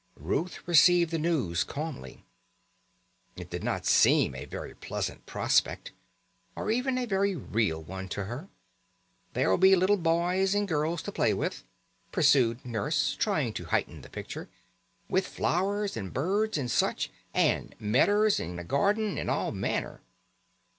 Ruth received the news calmly. It did not seem a very pleasant prospect, or even a very real one to her. "There'll be little boys and girls to play with," pursued Nurse, trying to heighten the picture; "and flowers and birds and such and medders, and a garding, and all manner."